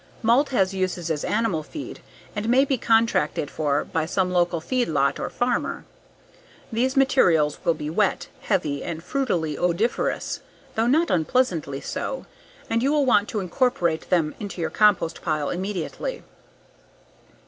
Malt has uses as animal feed and may be contracted for by some local feedlot or farmer. These materials will be wet, heavy and frutily odoriferous (though not unpleasantly so) and you will want to incorporate them into your compost pile immediately.